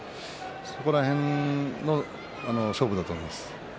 そこら辺の勝負だと思います。